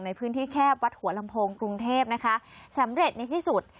ในพื้นที่แคบวัดหัวลำโพงกรุงเทพนะคะสำเร็จในที่สุด